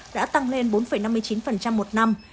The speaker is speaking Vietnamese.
đã tăng lên bốn năm mươi chín một năm